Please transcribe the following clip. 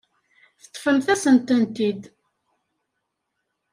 Teṭṭfemt-asent-tent-id.